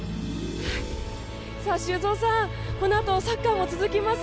修造さん、このあとサッカーも続きます。